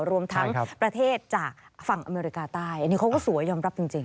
รวมทั้งประเทศจากฝั่งอเมริกาใต้อันนี้เขาก็สวยยอมรับจริง